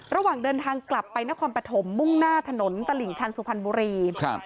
ระหว่างเดินทางกลับไปนครปฐมมุ่งหน้าถนนตลิ่งชันสุพรรณบุรีครับ